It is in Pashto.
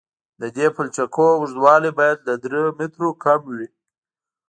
د دې پلچکونو اوږدوالی باید له درې مترو کم وي